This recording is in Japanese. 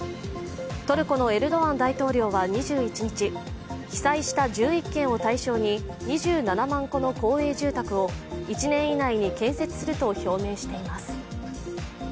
トルコのエルドアン大統領は２１日、被災した１１県を対象に２７万戸の公営住宅を１年以内に建設すると表明しています。